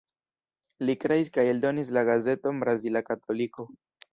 Li kreis kaj eldonis la gazeton Brazila Katoliko.